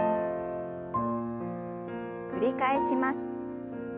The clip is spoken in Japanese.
繰り返します。